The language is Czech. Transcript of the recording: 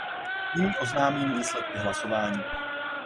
Nyní oznámím výsledky hlasování.